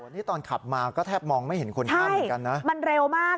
นี่ตอนขับมาก็แทบมองไม่เห็นคนข้ามเหมือนกันนะมันเร็วมาก